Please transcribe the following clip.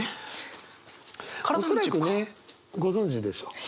恐らくねご存じでしょう。